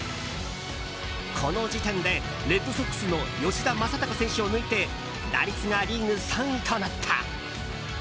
この時点でレッドソックスの吉田正尚選手を抜いて打率がリーグ３位となった。